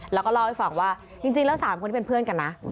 แล้วก็เล่าให้ฟังว่าจริงแล้ว๓คนนี้เป็นเพื่อนกันนะ